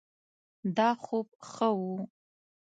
دا خوب ښه ؤ